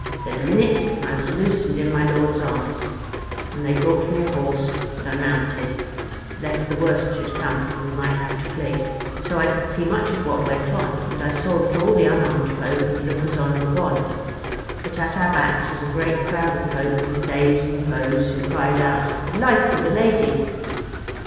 Then a minute, and I was loose and in my lord's arms, and they brought me a horse and I mounted, lest the worst should come and we might have to flee. So I could see much of what went on; and I saw that all the unarmed folk and lookers on were gone, but at our backs was a great crowd of folk with staves and bows who cried out, 'Life for the Lady!'